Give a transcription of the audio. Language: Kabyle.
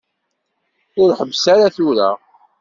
Ur ḥebbes ara tura.